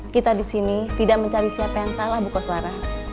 kita disini tidak mencari siapa yang salah bu koswara